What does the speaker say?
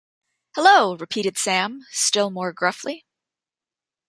‘Hello!’ repeated Sam, still more gruffly.